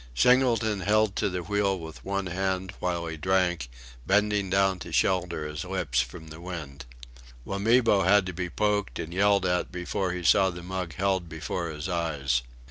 Singleton held to the wheel with one hand while he drank, bending down to shelter his lips from the wind. Wamibo had to be poked and yelled at before he saw the mug held before his eyes.